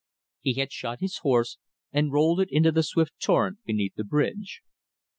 He had shot his horse, and rolled it into the swift torrent beneath the bridge.